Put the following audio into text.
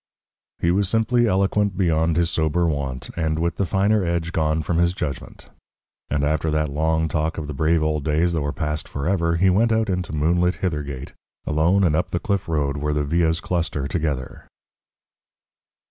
He was simply eloquent beyond his sober wont, and with the finer edge gone from his judgment. And after that long talk of the brave old days that were past forever, he went out into moonlit Hithergate alone and up the cliff road where the villas cluster together.